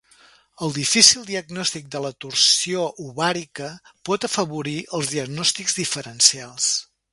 El difícil diagnòstic de la torsió ovàrica pot afavorir els diagnòstics diferencials.